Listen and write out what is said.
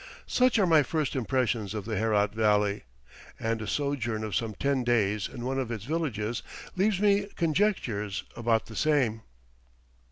Such are my first impressions of the Herat Valley, and a sojourn of some ten days in one of its villages leaves my conjectures about the same.